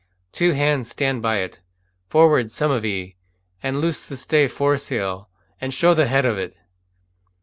"Two hands stand by it. Forward, some of ye, and loose the stay foresail, and show the head of it."